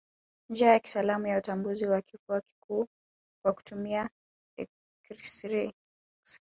Njia ya kitaalamu ya utambuzi wa kifua kikuu kwa kutumia eksirei